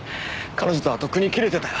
彼女とはとっくに切れてた。